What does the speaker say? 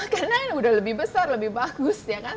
karena ini udah lebih besar lebih bagus ya kan